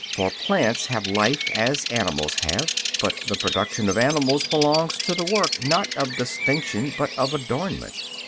For plants have life, as animals have. But the production of animals belongs to the work, not of distinction, but of adornment.